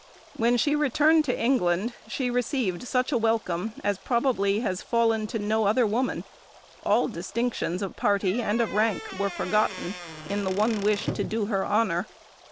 When she returned to England she received such a welcome as probably has fallen to no other woman; all distinctions of party and of rank were forgotten in the one wish to do her honour.